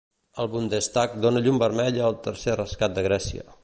El Bundestag dona llum vermella al tercer rescat de Grècia.